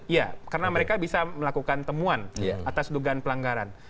ya karena mereka bisa melakukan temuan atas dugaan pelanggaran